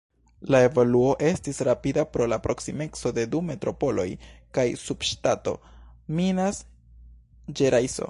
La evoluo estis rapida pro la proksimeco de du metropoloj kaj subŝtato Minas-Ĝerajso.